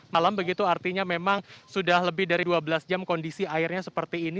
malam begitu artinya memang sudah lebih dari dua belas jam kondisi airnya seperti ini